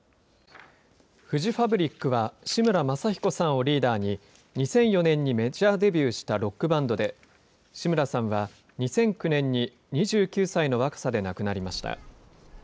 フジファブリックは志村正彦さんをリーダーに、２００４年にメジャーデビューしたロックバンドで、志村さんは２００９年に２９歳の若さで亡くなりました。